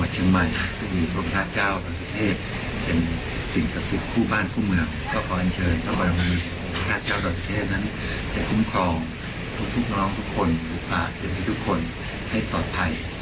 จะมีทุกคนให้ตอบภัย